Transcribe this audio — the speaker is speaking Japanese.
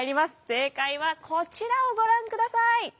正解はこちらをご覧ください。